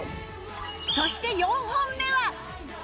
そして４本目は